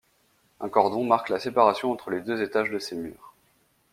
Un cordon marque la séparation entre les deux étages de ces murs.